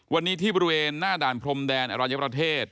วันนี้ที่บริเวณหน้าด่านพรมแดนอรัญญประเทศ